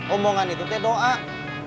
omongan itu teknologi